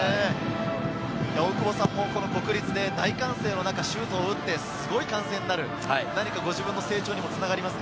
大久保さんも国立で大歓声の中、シュートを打って、すごい歓声になる、自分の成長にもつながりますか？